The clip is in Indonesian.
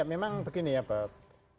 ya memang begini ya pak